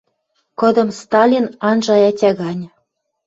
Кыдым Сталин анжа ӓтя гань.